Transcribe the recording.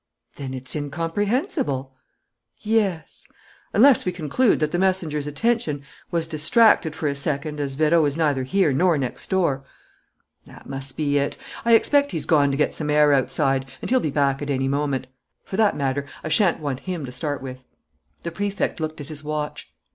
"Then it's incomprehensible." "Yes ... unless we conclude that the messenger's attention was distracted for a second, as Vérot is neither here nor next door." "That must be it. I expect he's gone to get some air outside; and he'll be back at any moment. For that matter, I shan't want him to start with." The Prefect looked at his watch.